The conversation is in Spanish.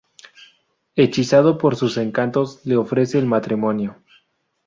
Hechizado por sus encantos le ofrece el matrimonio.